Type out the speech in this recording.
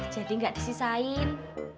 jadi gak disisain